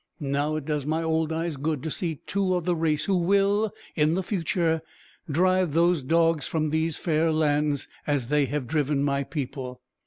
Now, it does my old eyes good to see two of the race who will, in the future, drive those dogs from these fair lands, as they have driven my people."